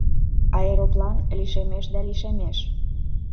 Аэроплан лишемеш да лишемеш.